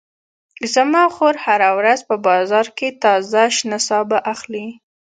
زما خور هره ورځ په بازار کې تازه شنه سابه اخلي